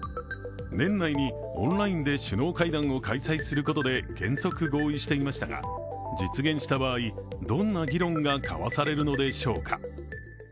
年内にオンラインで首脳会談を開催することで原則合意していましたが、実現した場合、どんな議論が交わされるのでしょうか。